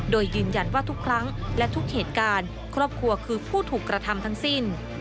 โดยยืนยันว่าทุกครั้งและทุกเหตุการณ์ครอบครัวคือผู้ถูกกระทำทั้งสิ้น